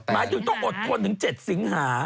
หมายถึงต้องอดทนถึง๗สิงหา